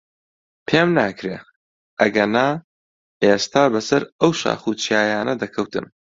پێم ناکرێ، ئەگەنا ئێستا بەسەر ئەو شاخ و چیایانە دەکەوتم.